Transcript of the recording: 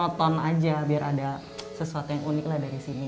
toton aja biar ada sesuatu yang unik lah dari sini